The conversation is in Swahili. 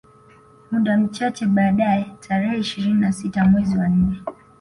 Muda mchache baadae tarehe ishirini na sita mezi wa nne